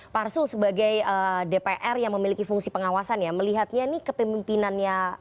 pak arsul sebagai dpr yang memiliki fungsi pengawasan ya melihatnya ini kepemimpinannya